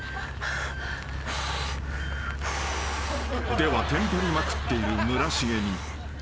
［ではテンパりまくっている村重に］